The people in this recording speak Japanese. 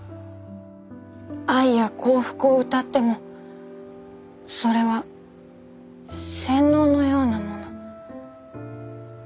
愛や幸福をうたってもそれは洗脳のようなもの。